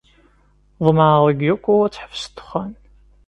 Ḍemɛeɣ deg Yoko ad teḥbes ddexxan.